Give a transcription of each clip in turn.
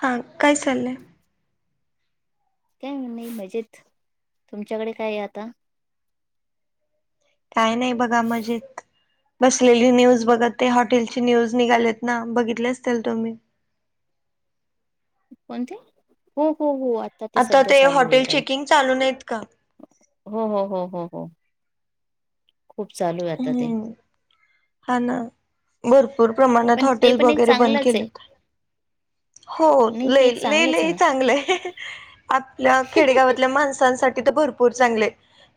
हां काय चाललंय काय म्हण नाही मजेत तुमच्याकडे काय आहे आता काय नाही बघा मजेत बसलेली न्यूज बघत ते हॉटेलची न्यूज निघालेत ना बघितले असतील तुम्ही कोणते हो हो हो आ आता ते हॉटेल चेकिंग चालूूनत का हो हो हो हो हो खूप लू आहे आता ते हम्म हा ना बर र प्रमाणात पण ते हॉटेल पण एक वगैरे बंद चांगलंच आहे केले हो नाही ल ते एक चांगलंच लले आहे ना चांगलंय आपल्या खेडेगावातल्या माणसांसाठी तर भरपूर भरपूर चांगले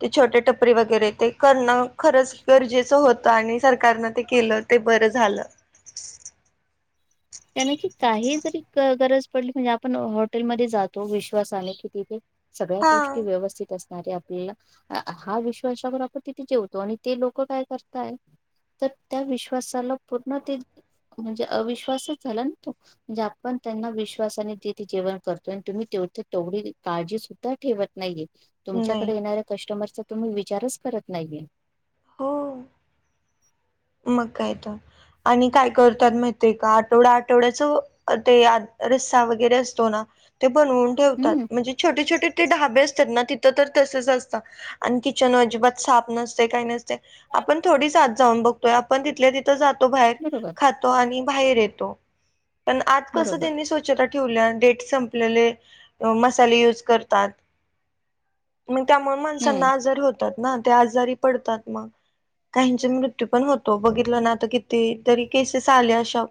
ते छोटे टपरी वगैरे ते करणं खरंच गरजेचं होत आणि सरकारनं ते केलं ते बरं झालं त्याना क काही जरी गरज पडली म्हणजे आपण हॉटेलमध्येध्ये जातो विश्वासाने की तिथे सगळ्या गोष्टी हा व्यवस्थित असत अरे आपल्याला हा विश्वास आपण आपण तिथे जेवतो आणि ते लोक काय करतय तर त्या विश्वासाला पूर्ण ते म्हणजे अविश्वासच झाला न तो म्हणजे आपण त्यांना विश्वासाने ते जेवण करतो आणि तुम्ही तेवथे तेवढी काळजी ठेवत नाहीये. नाही तुमच्याकडे येणाऱ्या कस्टमरचा तुम्ही विचारच करत नाहीये. हो! मग काय तर, आणि काय करतात माहित आहे का? आठवडा आठवड्याच ते रसा वगैरे असतो ना, ते बनवून ठेवतात हम्म म्हणजे, छोटे छोटे ते ढाबे असतात ना तिथं तर तसच असतात. आणि किचन अजिबात साफ नसत काही नसत. आपण थोडीचात जाऊन बघतोय आपण तिथल्या तिथं जातो बाहेर बरोबर खात आणि बाहेर येतो पण आज कस बरोबर त्यांनी स्वच्छ छ ठेवल्या डेट संपलेले मसाले यूज करतात. मग त्यामुळे हम्म माणसांना आजारी होतात ना ते आजारी पडतात मग काहीचे मृत्यू हा पण होतो. बघितलं ना! आता किती तरी केसेस आल्या अशा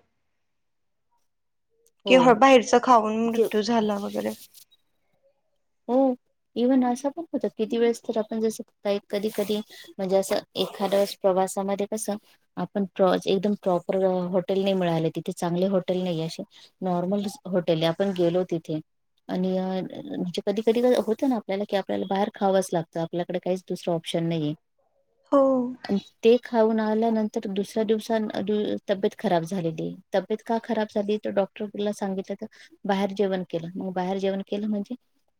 कि हो बाहेरच खाऊन ते मृत्यू झाला वगैरे हो इव्हन असा पण होत, किती वेळेस तर आपण जसतय कधी कधी म्हणजे असं एखाद्या प्रवासामध्ये कसं, आपण एकदम प्रॉपर हॉटेल नाही मिळाले तिथे चांगले हॉटेल नाही असे नॉर्मल होटेल आपण गेलो तिथे आणि कधी कधी होतं ना! आपल्याला की आपल्याला बाहेर खावंच लागतं, आपल्याकडे काहीच दुसरं ऑप्शन नाही. हो [unintelligible] ते खाऊन आल्यानंतर दुसऱ्या दिवस तब्येत खराब झालेली तब्येत का खराब झाली तर डॉक् ला सांगितलं तर बाहेर जेवण केलं, मग बाहेर जेवण केलं म्हणजे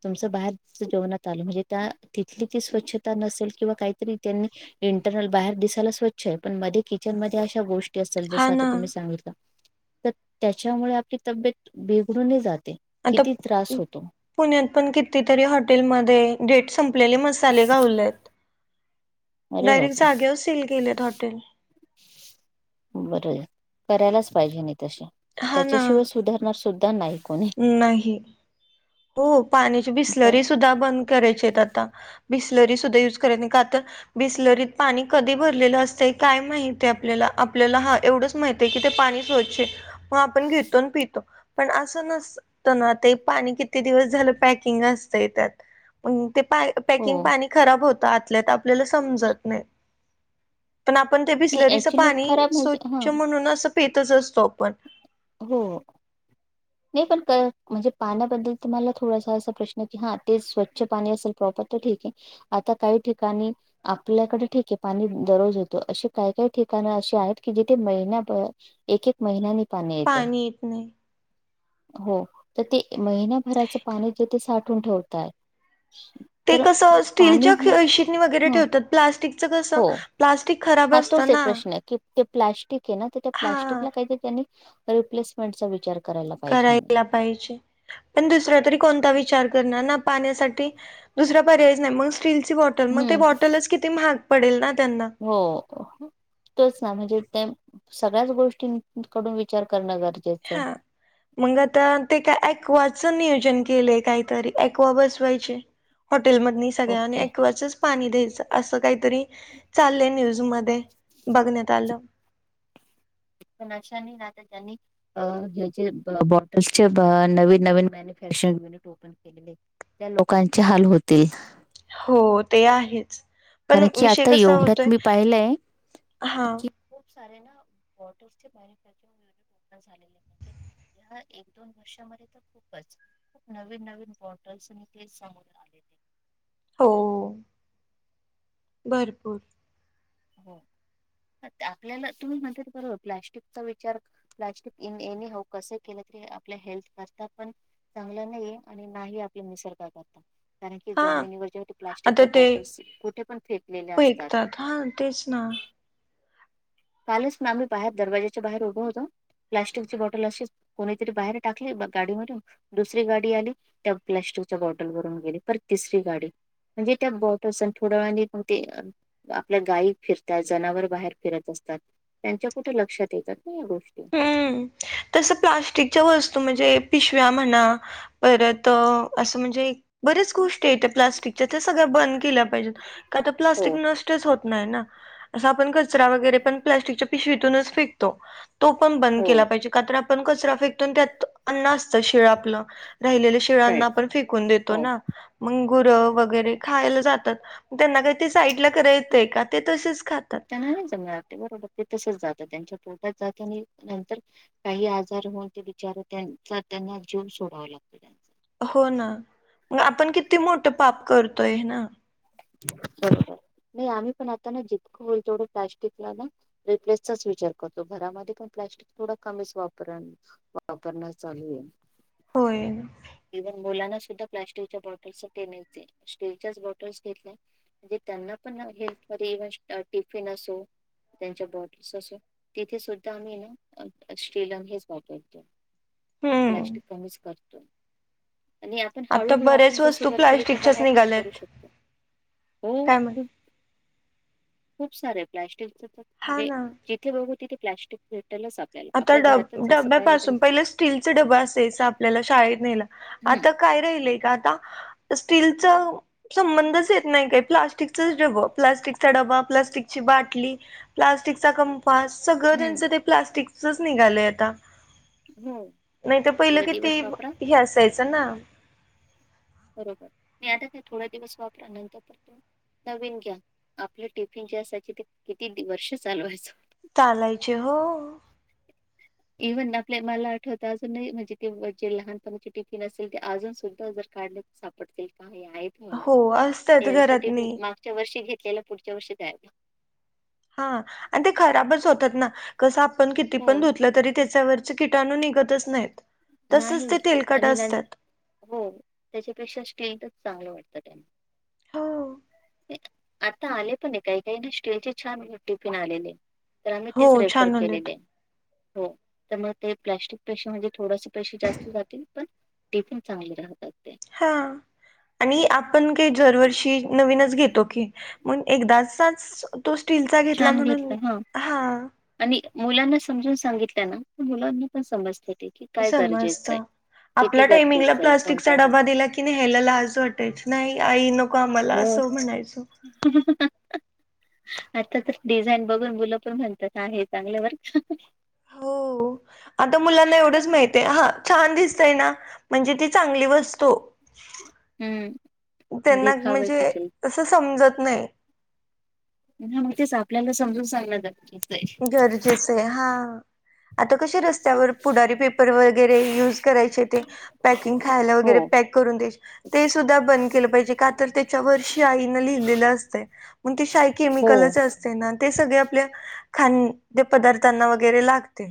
तुमचं बाहेर जेवणात आलं म्हणजे त्या तिथली ती स्वच्छता नसेल किंवा काहीतरी त्यांनी इंटरनल बाहेर दिसायला स्वच्छ आहे पण मध्ये किचन मध्ये अशा गोष्टी. जस हा आ ना तुम्ही सांगितलं तर त्याच्यामुळे आपली तब्येत बेघडून जाते. आता किती त्रास होतो पुण्यात पण कितीतरी हॉटेलमध्ये. डेट संपलेली मसाले गावले अरे डायरेक्ट बापरे जाग्या वर सील केलेत हॉटेल. बर करायलाच पाहिजे नाही, तश हा ना त्याच्याशिवाय सुधारणार सुद्धा नाही. कोणी नाही हो! पाण्याची बिस्लरी सुद्धा बंद करायचे आहेत आता. बिसलरी सुद्धा युज कराय नाही कातर, बिसलरीत पाणी कधी भरलेलं असतं काय माहिती आपल्याला आपल्याला हा एवढंच माहि कि ते पाणी स्वच्छ हे, मग आपण घेतो पितो पण असं न नाता पाणी किती दिवस झालं पॅकिंग असतंय त्यात म ते पॅकिंग हो पाणी खराब होतं आतल्यात आपल्याला समजत नाही. पण आपण ते नाही बिस्लरीचं ॲक्च्युली पाणी खराब म्हणजे हां. स्वच्छ म्हणून असं पेतच असतो आपण. हो! ह नाही पण म्हणजे पाण्याबद्दल तुम्हाला थोडासा असा प्रश्न की हा ते स्वच्छ पाणी असेल प्रॉपर तर ठीक आहे. आता काही ठिकाणी. आपल्याकडे ठीक आहे. पाणी दररोज येतो. अशी काही काही ठिकाणं अशी आहेत की जिथे महिना भर, एक एक महिनाने पाणी येत नाही. हो तर ते महिन्याभराचं पाणी जे ते साठून ठेवतात. ते कसं स्टीलच्या [unintelligible] वगैरे हं. ठेवतात प्लास्टिकचं कस हो. प्लास्टिक खराब हा तोच असतं आहे ना प्रश्न की ते प्लाॅस्टिक आहे ना, तर त्या हा प्लाॅस्टिकला काहीतरी त्यांनी, रिप्लेसमेंटचा विचार करायला पाहिजे. करायला पाहिजे. पण दुसरा तरी कोणता विचार करणार ना पाण्यासाठी, दुसरा पर्यायच नाही, मग स्टीलची बॉटल मग हं. ते बॉटलच किती महाग पडेल ना त्यांना. हो... तेच ना, म्हणजे ते सगळ्याच गोष्टींकडून विचार करणं गरजेचं. आहे हां. मग आता ते का अक्वॉ चे नियोजन केलेय काहीतरी अक्वॉ बसवायचे. हॉटेलमध्ये सगळ्या आणि ओके अक्वॉचच पाणी द्यायचं असं काहीतरी चाललंय न्यूज मध्ये. बघण्यात आलं. [unintelligible] [inaudible] त्या लोकांचे हाल होतील. हो ते आहेच. कारण पण की विषय आता कसा एवढ्यात होतोय मी पाहिलंय हा की, प सारे ना वॉटर्स चे मॅन्युफॅक्चरिंग झाले पाहिजे. या एक दोन वर्षामध्ये तर खूपच. खूप नवीन-नवीन बॉटल्स मी ते समोर आले, हो भरपूर हो आपल्याला तुम्ही म्हणतात ते बरोबर प्लास्टिकचा विचार, प्लास्टिक एऊ कस केलं तरी आपल्या हेल्थ करता पण चांगलं नाहीये आणि नाही आपले निसर्गा करता. कारण की हा जमिनीवरच्या आता प्लास्टिकच्या ते बॉटल्स कुठे पण फेकलेले असतात ते फेकतात हा तेच ना कालच ना आम्ही बाहेर दरवाजाच्या बाहेर उभे होतो. प्लास्टिकची बॉटल अशी कोणीतरी बाहेर टाकली गाडी मधून दुसरी गाडी आली त्या प्लास्टिकच्या बॉटल वरून गेली परत तिसरी गाडी म्हणजे त्या बॉटल्स आणि थोड्या वने ते आपल्या गायी फिरतात जनावर बाहेर फिरत असतात त्यांच्या कुठे लक्षात येतात ना या गोष्टी हम्म तस प्लास्टिकच्या वस्तू म्हणजे पिशव्या म्हणा परत असं म्हणजे बरच गोष्टी येतात. प्लास्टिकच्या ते सगळ बंद केलं पाहिजे का तर हो प्लास्टिक नष्टच होत नाही ना ् कचरा वगैरे पण नाही. प्लास्टिकच्या पिशवीतूनच फेकतो तो पण बंद हो केला पाहिजे. का तर आपण आपण कचरा फेकतो न त्यात अन्न असत शिळं आपल राहिलेलं राईट शिळांना पण फेकून देतो हो ना मंगुरं वगैरे खायला जातात त्यांना काही ते साईडला करायं का ते तसेच खातात. त्यांना नाही जमणार ते बरोबर ते तसच जात त्यांच्या पोटात जात आणि नंतर काही आजार होऊन ते बिचार त्यांचा त्यांना जीव सोडावा लागतो त्यां हो ना मग आपण किती मोठं पाप करतोय ना ब नाही आम्ही पण आता ना जितकं होईल तेवढं प्लस्टिकला ना रिप्लेसचाच विचार करतो घरामध्ये पण प्लास्टिक थोडा कमीच वापरन वापरण्या चालू आहे होय ना इव्हन मुलांना सुद्धा प्लास्टिकच्या बॉटल्स पेण्याचे स्टीलच्याच बॉटल्स घेतल्या म्हणजे त्यांना पण हेल्थ व इवन टिफिन असो त्यांच्या बॉर्डर्स असो तिथे सुद्धा आम्ही ना शीलंग हे वाठवल हम्म प्लॅस्टिक कमीच करतो आणि आपण आता हळूहळू आपण बऱ्याच जर वस्तू सुरुवात केली तर प्लास्टिकच्याच बाहेर पण करू निघाल्यात शकतो हो काय म्हण खूप खूप सारे प्लास्टिक हा म्हणजे ना इथे बघ त ते प्लस्िक भेटलच आप आता ड डब्यापासून पहिलं स्टीलच डबा असायच आपल्याला शाळेत नेयला हं, आता काय राहिलय का आता स्टीलचा डब प्लास्टिकचा डबा प्लास्टिकची बाटली प्लास्टिकचा फ सगळं त्यांच हं. ते प्लास्टिकचच निघालंय आता हो. नाही तर पहिलं थोडे दिवस किती वापरा, हे असायचं ना बरोबर मी आता ते थोडा दिवस वापरा नंतर परतो नवीन घ्या आपले टिफिन जे असायचे ते किती वर्ष चालवायच चालायचे हो इव्हन आपल्या मला आठवत अजून म्हणजे ते जे लहानपणाची टिफिन असेल ते अजून सुद्धा जर काढण्या सापडतील काय या हो असतात घरात नाही च्या वर्षी घेतलेला पुढच्या वर्षी द्यायला हा आणि ते खराबच होतात ना कसं आपण किती पण हो. धुतलं तरी त्याच्यावर किटणू निघतच नाही तसच ते नाही तेलकाट आणि नं असतात हो त्याच्यापेक्षा स्टेंटच चांगलं वाटतं त्यांना हो आता आले पण काही काही ना स्टेज छान टिफिन आलेले तर आम्ही हो, तीच रेफर छान उलट केलेली आहे हो त्या मग ते प्लॅस्टिक पेशी म्हणे थोडसे पेशी जास्त जातील पण ते पण चांगले राहतात ते. हां आणि आपण काही दरवर्षी नवीनच घेतो की म एकदाचाच तो स्टीलचा घेतला छान म्हणून घेतलं हा आणि मुलांना समजून सांगितल्या ना मुलांना पण समजते ते की काय समजत गरजेचं आहे. किती आपल्या टायमिंगला गरजेचं आहे कोणता प्लास्टिकचा हा. डबा दिला की कि नाही ह्यायला आज वाटायच नाही आई नको आम्हाला असं म्हणायचं ह आता तर डिझाईन बघून मुलं पण म्हणतात ह हे चांगल्या वर हो आता मुलांना एवढंच माहिती ते हा छान दिसतय ना म्हणजे ती चांगली वस्तो हम्म देखावे पिचल तं समजत नाही ह मग तेच आपल्याला समजून सांगलं जाते गरजेच आहे हा आता कसे रस्त्यावर पुढारी पेपर वगैरे युज करायचे ते पॅकिंग खायला हो वगैरे पॅक ते सुद्धा बंद केलं पाहिजे का तर त्याच्या वर्षी आईन लिहिलेलं असतं मग ते शाय हो केमिकलच असते ना ते सगळे आपल्या खद्य पदार्थांना वगैरे लागते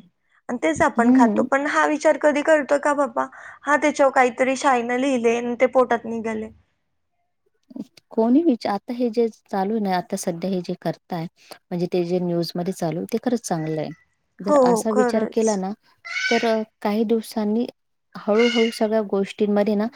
आणि तेच आपण खातो हम्म पण हा विचार कधी करतो का बा हा त्याच्यावर काहीतरी शायन लिहिले ते पोटात निघाले कोणी विचार आता हे जे चालू नाही आता सध्या हे जे करताय म्हणजे ते जे न्यूजमध्येध्ये चालू ते खरंच चांगलं आहे जर हो हो असा विचार खरंच केला ना तर काही दिवसांनी हळूहळू सगळ्या गोष्टींमध्ये ना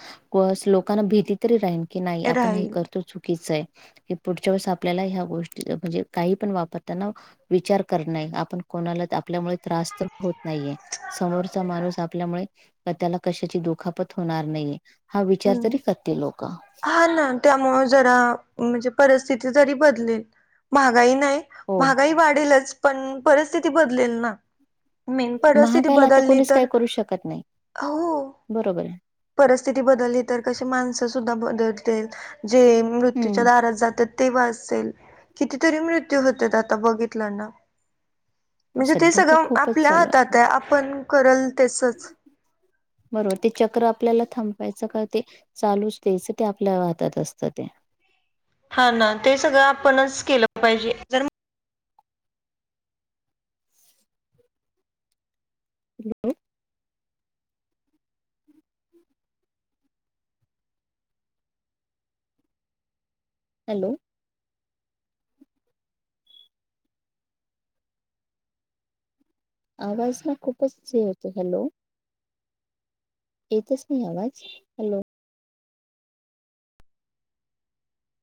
लोकांना भीती तरी राहील की नाही आपण हे राहील करतो चुकीच आहे हे पुढच्या वेळेस आपल्याला ह्या गोष्टी म्हणजे काही पण वापरताना विचार कर नाही आपण कोणाला आपल्यामुळे त्रास होत नाहीये समोरचा माणूस आपल्यामुळे त्याला कशाची दुखापत होणार नाहीये हा विचार तरी हम्म करतील लोक हा ना त्यामुळे जरा म्हणजे परिस्थिती जरी बदलेल महागाई नाही हो महागाई वाढेलच पण परिस्थिती बदलेल ना मेन परिस्थिती महागायला आता बदलली कोणीच तर काही करू शकत नाही. हो बरोबर आहे परिस्थिती बदलली तर कशी माणसं सुद्धा बदलतील जे मृत्यूच्या हम्म दारात जात तेव्हा असेल कितीतरी मृत्यू होतात आता बघितलं ना म्हणजे ते सध्या तर सगळं खूपच आपल्या चालू हातात आहे आपण करल तेसच बरोबर ते चक्र आपल्याला थांपायचं का ते चालूच द्यायचं ते आपल्या हातात असतं ते हा ना ते सगळं आपणच केलं पाहिजे हॅलो आवाज हा खूपच होते हॅलो येतच नाही आवाज हॅलो